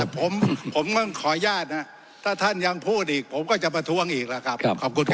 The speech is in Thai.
ผมก็ขออนุญาตนะถ้าท่านยังพูดอีกผมก็จะมาทวงอีกละครับ